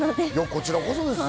こちらこそですよ。